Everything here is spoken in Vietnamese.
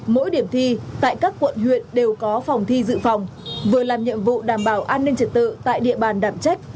mỗi điểm thi tại các quận huyện đều có phòng thi dự phòng vừa làm nhiệm vụ đảm bảo an ninh trật tự tại địa bàn đảm trách